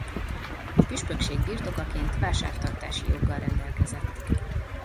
A püspökség birtokaként vásártartási joggal rendelkezett.